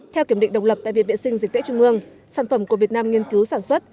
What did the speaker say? theo kiểm định độc lập tại viện vệ sinh dịch tễ trung ương sản phẩm của việt nam nghiên cứu sản xuất